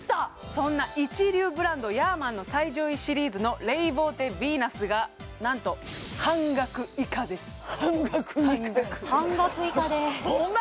そんな一流ブランドヤーマンの最上位シリーズのレイボーテヴィーナスが何と半額以下やて半額以下でーすホンマ？